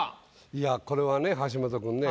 いやこれはね橋本君ね。